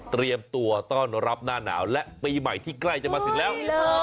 เตรียมตัวต้อนรับหน้าหนาวและปีใหม่ที่ใกล้จะมาถึงแล้ว